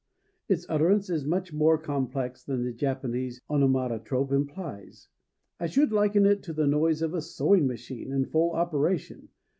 Its utterance is much more complex than the Japanese onomatope implies; I should liken it to the noise of a sewing machine in full operation.